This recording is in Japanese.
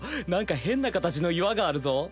なんか変な形の岩があるぞ。